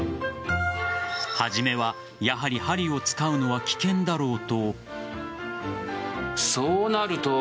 初めはやはり針を使うのは危険だろうと。